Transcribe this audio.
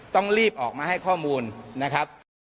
ต้องรีบออกมาให้ข้อมูลนะครับ